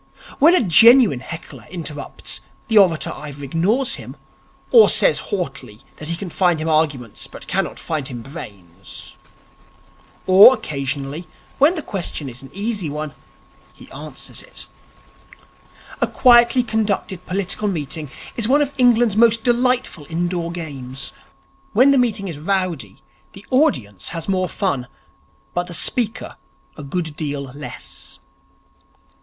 When a genuine heckler interrupts, the orator either ignores him, or says haughtily that he can find him arguments but cannot find him brains. Or, occasionally, when the question is an easy one, he answers it. A quietly conducted political meeting is one of England's most delightful indoor games. When the meeting is rowdy, the audience has more fun, but the speaker a good deal less.